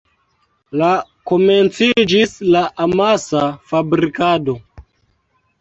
La komenciĝis la amasa fabrikado.